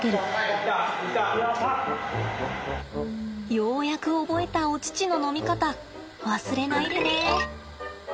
ようやく覚えたお乳の飲み方忘れないでね。